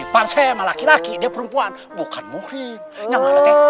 panseh laki laki dia perempuan bukan mungkin